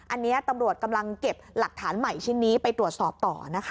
อันนี้ตำรวจกำลังเก็บหลักฐานใหม่ชิ้นนี้ไปตรวจสอบต่อนะคะ